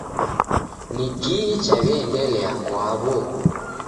Nikii chaw'iaendelia kwaw'o?